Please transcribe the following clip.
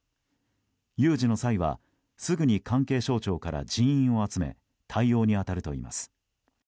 有事の際はすぐに関係省庁から人員を集め対応に当たるといいます。